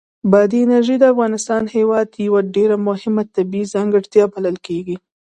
بادي انرژي د افغانستان هېواد یوه ډېره مهمه طبیعي ځانګړتیا بلل کېږي.